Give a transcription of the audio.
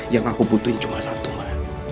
yang aku butuhin cuma satu mbak